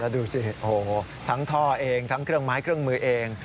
ดูสิโอ้โหทั้งท่อเองทั้งเครื่องไม้เครื่องมือเอง